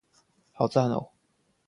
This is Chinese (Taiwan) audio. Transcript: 好讚喔